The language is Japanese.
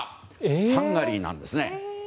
ハンガリーなんです。